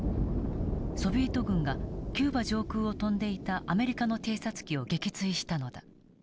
ソビエト軍がキューバ上空を飛んでいたアメリカの偵察機を撃墜したのだ。